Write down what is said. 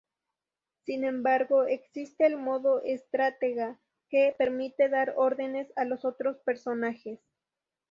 Sin embargo, existe el modo estratega que permite dar órdenes a los otros personajes.